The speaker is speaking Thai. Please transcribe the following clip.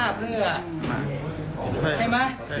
อ่าแสดงว่าเรารู้ก่อนเราเตรียมมาก่อนที่ภาพเลยอ่ะ